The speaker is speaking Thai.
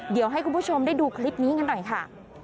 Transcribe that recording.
เดี๋ยวให้คุณผู้ชมได้ดูคลิปนี้กันหน่อยค่ะ